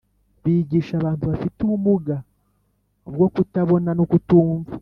bigisha abantu bafite ubumuga ubwo kutabona no kutumva